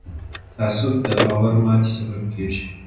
تعصب د باور ماتې سبب کېږي